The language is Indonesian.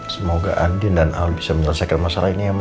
semoga andien dan al bisa menyelesaikan masalah ini ya ma